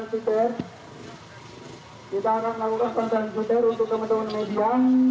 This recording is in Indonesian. kita akan melakukan konten konten untuk teman teman media